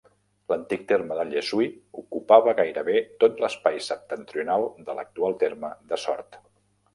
L'antic terme de Llessui ocupava gairebé tot l'espai septentrional de l'actual terme de Sort.